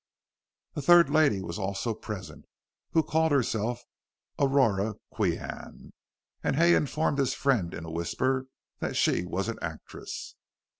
A third lady was also present, who called herself Aurora Qian, and Hay informed his friend in a whisper that she was an actress.